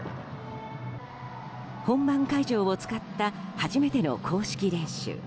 本番会場を使った初めての公式練習。